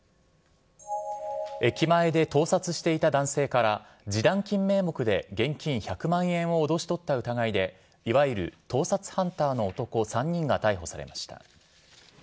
駅前で盗撮していた男性から、示談金名目で現金１００万円を脅し取った疑いで、いわゆる盗撮ハンターの男３人が逮捕されました。